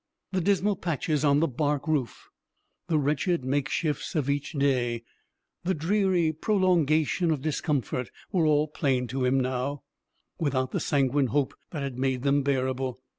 The dismal patches on the bark roof, the wretched makeshifts of each day, the dreary prolongation of discomfort, were all plain to him now, without the sanguine hope that had made them bearable.